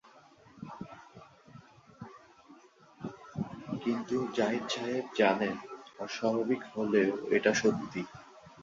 কিন্তু জাহিদ সাহেব জানেন, অস্বাভাবিক হলেও এটা সত্যি।